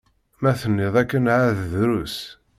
Ma tenniḍ akken εad drus.